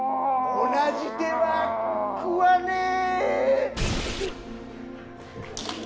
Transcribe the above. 同じ手は食わねえ！